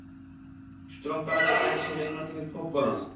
সুতরাং তারা যা করে সে জন্যে তুমি ক্ষোভ করো না।